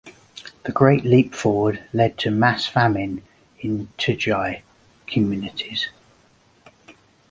The Great Leap Forward led to mass famine in Tujia communities.